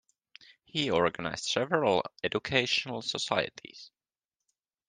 He organized several educational societies.